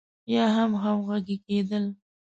يا هم همغږي کېدل.